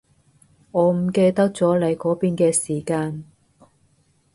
我唔記得咗你嗰邊嘅時間